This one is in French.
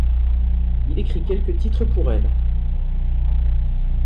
Il écrit quelques titres pour elle.